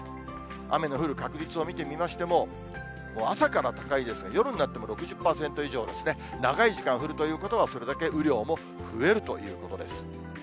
雨の降る確率を見てみましても、朝から高いですが、夜になっても６０％以上ですね、長い時間降るということは、それだけ雨量も増えるということです。